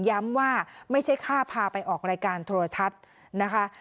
ย้ำว่าไม่ใช่ค่าพาไปออกรายการโทรทัศน์นะคะ